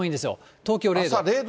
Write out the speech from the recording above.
東京０度。